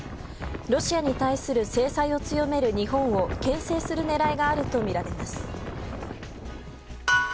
ロシアに対する制裁を強める日本を牽制する狙いがあるとみられます。